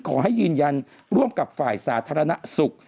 ขอให้ยืนยันร่วมกับฝ่ายสาธารณสุข